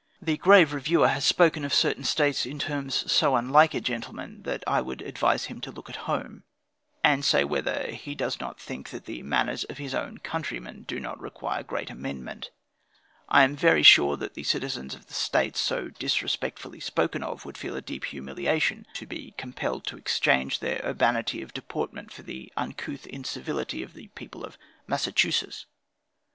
The grave reviewer has spoken of certain States in terms so unlike a gentleman, that I would advise him to look at home, and say whether he does not think that the manners of his own countrymen, do not require great amendment? I am very sure, that the citizens of the States so disrespectfully spoken of, would feel a deep humiliation, to be compelled to exchange their urbanity of deportment, for the uncouth incivility of the people of Massachusetts.